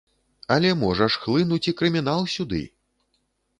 Але можа ж хлынуць і крымінал сюды.